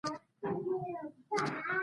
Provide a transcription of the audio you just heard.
د موسیقۍ ږغونه روح ته ارامتیا ورکوي.